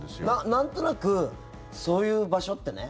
なんとなくそういう場所ってね